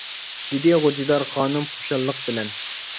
دېدى غوجىدار خانىم خۇشاللىق بىلەن.